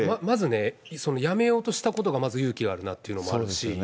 まず辞めようとしたことがまず勇気があるなっていうのもあるし。